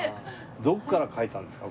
どこから描いたんですか？